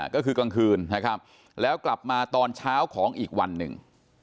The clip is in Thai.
ก็คือกลางคืนนะครับแล้วกลับมาตอนเช้าของอีกวันหนึ่ง